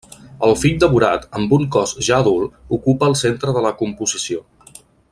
El fill devorat, amb un cos ja adult, ocupa el centre de la composició.